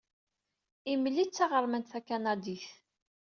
Emily d taɣermant takanadit.